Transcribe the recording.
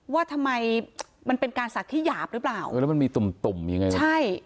ว่าทำไมมันเป็นการศักดิ์ที่หยาบหรือเปล่าเออแล้วมันมีตุ่มตุ่มยังไงใช่